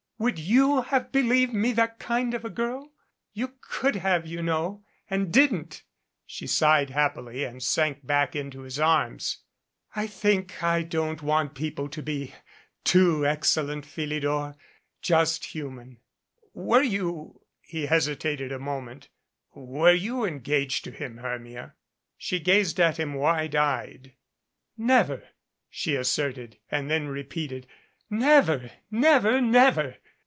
Would you have believed me that kind of a girl? You could have, you know, and didn't." She sighed happily, and sank back into his arms. "I think I don't want people to be too excellent, Philidor. Just human " "Were you" he hesitated a moment "were you en gaged to him, Hermia?" She gazed at him wide eyed. "Never," she asserted, and then repeated, "Never, never, never!"